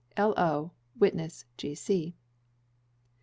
L.O. Witness, G.C.